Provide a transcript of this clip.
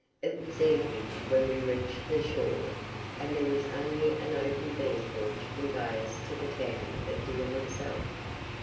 It was evening when we reached the shore, and there was only an open vehicle to convey us to the town of Deal itself.